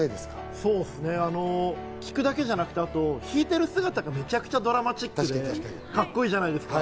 三聴くだけじゃなくて、弾いてる姿がめちゃくちゃドラマチックでカッコいいじゃないですか。